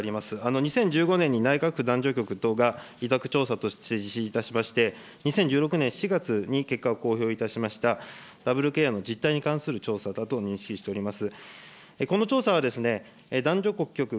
２０１５年に内閣府男女局等が委託調査として実施いたしまして、２０１６年４月に結果を公表いたしましたダブルケアの実態に関する調査だと認識しております。